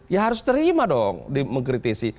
ya harus terima dong di mengkritisi